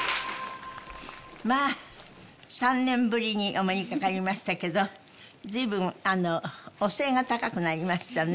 まあ３年ぶりにお目にかかりましたけど随分お背が高くなりましたね。